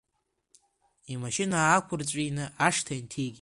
Имашьына аақәырҵәины ашҭа инҭигеит.